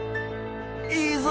「いいぞ！